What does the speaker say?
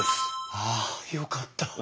あよかった。